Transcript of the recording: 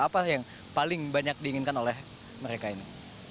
apa yang paling banyak diinginkan oleh mereka ini